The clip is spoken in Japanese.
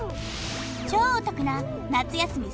超お得な夏休み